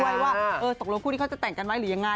ว่าตกลงคู่ที่เขาจะแต่งกันไหมหรือยังไง